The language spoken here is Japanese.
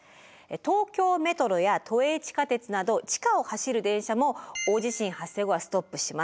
東京メトロや都営地下鉄など地下を走る電車も大地震発生後はストップします。